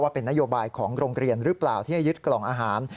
เป็นนโยบายของโรงเรียนหรือเปล่าที่จะยึดกล่องอาหาร